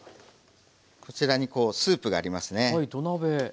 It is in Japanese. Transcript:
こちらにこうスープがありますね。